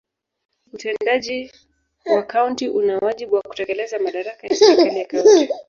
Utendaji wa kaunti una wajibu wa kutekeleza madaraka ya serikali ya kaunti.